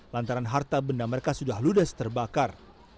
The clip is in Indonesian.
lantaran harta benda mereka sudah ludes terbakar